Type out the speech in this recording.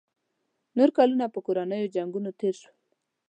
نور کلونه په کورنیو جنګونو تېر شول.